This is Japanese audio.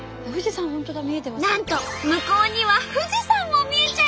なんと向こうには富士山も見えちゃいます！